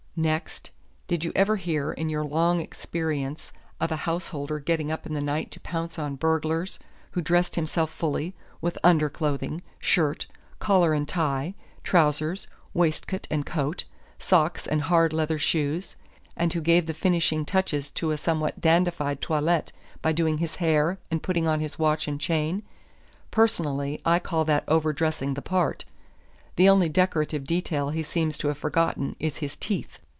Next: did you ever hear in your long experience of a householder getting up in the night to pounce on burglars, who dressed himself fully, with underclothing, shirt, collar and tie, trousers, waistcoat and coat, socks and hard leather shoes; and who gave the finishing touches to a somewhat dandified toilet by doing his hair and putting on his watch and chain? Personally, I call that over dressing the part. The only decorative detail he seems to have forgotten is his teeth."